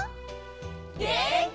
げんき！